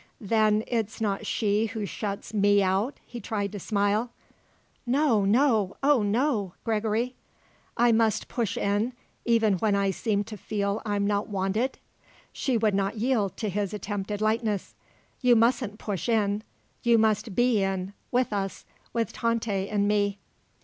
"Then it's not she who shuts me out?" he tried to smile. "No; no; oh, no, Gregory." "I must push in, even when I seem to feel I'm not wanted?" She would not yield to his attempted lightness. "You mustn't push in; you must be in; with us, with Tante and me."